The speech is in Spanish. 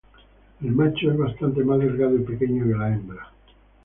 El macho es bastante más delgado y pequeño que la hembra.